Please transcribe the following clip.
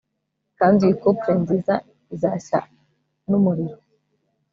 Kandi iyi couple nziza izashya numuriro